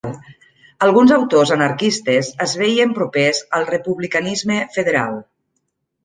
Alguns autors anarquistes es veien propers al republicanisme federal.